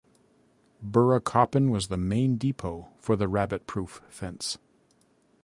Burracoppin was the main depot for the Rabbit Proof Fence.